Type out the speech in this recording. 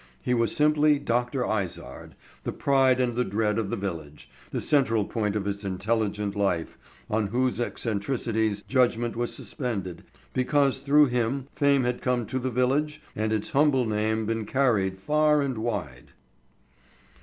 He was simply Dr. Izard, the pride and the dread of the village, the central point of its intellectual life, on whose eccentricities judgment was suspended because through him fame had come to the village and its humble name been carried far and wide.